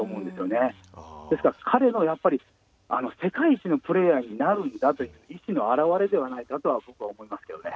ですから彼の世界一のプレーヤーになるんだという意思の現われではないかとは僕は思いますけどね。